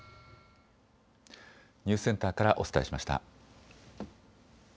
ニュースセンターからお伝えしました。